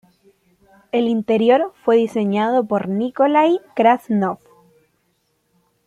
El interior fue diseñado por Nikolaj Krasnov.